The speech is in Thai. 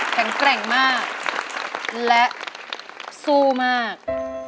แข็งแกร่งมากและสู้มาก